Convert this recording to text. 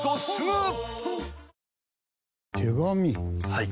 はい。